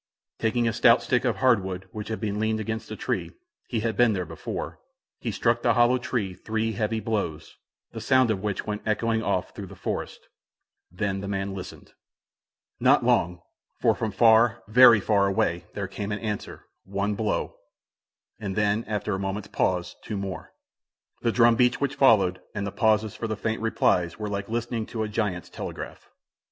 Taking a stout stick of hard wood which had been leaned against the tree, he had been there before, he struck the hollow tree three heavy blows, the sound of which went echoing off through the forest. Then the man listened. Not long; for from far, very far away, there came an answer, one blow, and then, after a moment's pause, two more. The drum beats which followed, and the pauses for the faint replies, were like listening to a giant's telegraph.